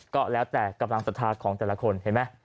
ก็แล้วแต่กำลังศรัทธาของแต่ละคนเห็นไหม